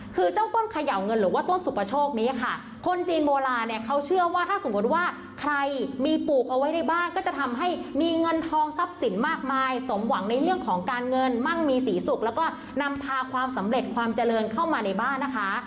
คือเจ้าต้นเขย่าเงินหรือว่าต้นสุปโชคนี้ค่ะคนจีนโบราณเนี่ยเขาเชื่อว่าถ้าสมมติว่าใครมีปลูกเอาไว้ในบ้านก็จะทำให้มีเงินทองทรัพย์สินมากมายสมหวังในเรื่องของการเงินมั่งมีสีสุขแล้วก็นำพาความสำเร็จความเจริญเข้ามาในบ้านนะคะ